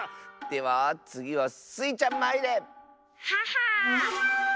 ではつぎはスイちゃんまいれ！ははっ。